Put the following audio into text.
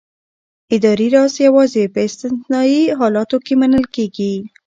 اداري راز یوازې په استثنايي حالاتو کې منل کېږي.